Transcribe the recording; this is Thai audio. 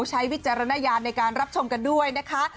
วิจารณญาณในการรับชมกันด้วยนะคะ